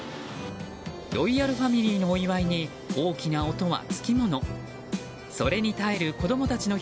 ロイヤルファミリーのお祝いに大きな音はつきもの。